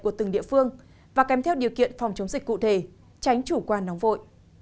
của từng địa phương và kèm theo điều kiện phòng chống dịch cụ thể tránh chủ quan nóng vội